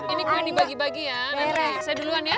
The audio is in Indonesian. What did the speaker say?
ini dibagi bagi ya saya duluan ya